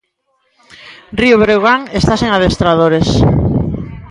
Río Breogán está sen adestradores.